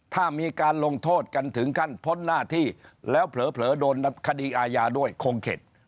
ถ้ามีการลงโทษกันถึงขั้นพ้นหน้าที่แล้วเผลอโดนคดีอาญาด้วยคงเข็ด